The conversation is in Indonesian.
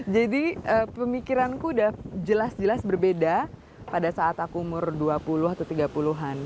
jadi pemikiranku udah jelas jelas berbeda pada saat aku umur dua puluh atau tiga puluh an